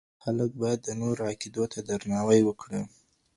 خلګ بايد د نورو عقيدو ته درناوی وکړي.